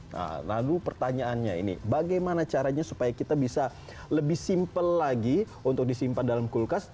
nah lalu pertanyaannya ini bagaimana caranya supaya kita bisa lebih simple lagi untuk disimpan dalam kulkas